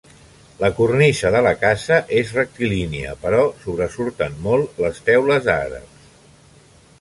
La cornisa de la casa és rectilínia però sobresurten molt les teules àrabs.